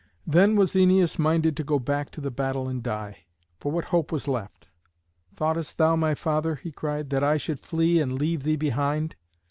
Then was Æneas minded to go back to the battle and die. For what hope was left? "Thoughtest thou, my father," he cried, "that I should flee and leave thee behind?